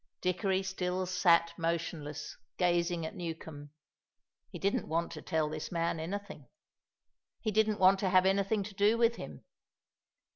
Dickory still sat motionless, gazing at Newcombe. He didn't want to tell this man anything. He didn't want to have anything to do with him.